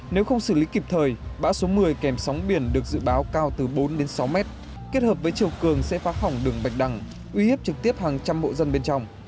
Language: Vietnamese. nếu không xử lý kịp thời bão số một mươi kèm sóng biển được dự báo cao từ bốn đến sáu mét kết hợp với chiều cường sẽ phá hỏng đường bạch đăng uy hiếp trực tiếp hàng trăm hộ dân bên trong